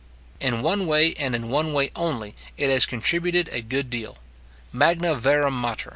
In one way, and in one way only, it has contributed a good deal. Magna virum mater!